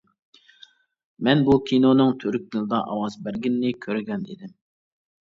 مەن بۇ كىنونىڭ تۈرك تىلىدا ئاۋاز بەرگىنىنى كۆرگەن ئىدىم.